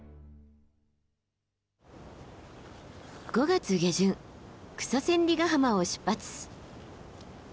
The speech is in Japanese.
５月下旬草千里ヶ浜を出発。